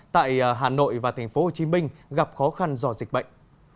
tại hà nội và tp hcm gặp khó khăn do dịch bệnh